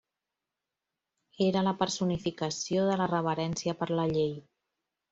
Era la personificació de la reverència per la llei.